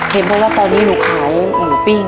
เห็นบอกว่าตอนนี้หนูขายหมูปิ้ง